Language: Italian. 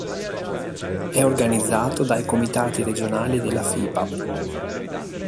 È organizzato dai Comitati Regionali della Fipav.